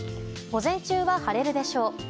午前中は晴れるでしょう。